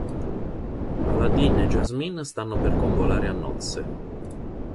Aladdin e Jasmine stanno per convolare a nozze.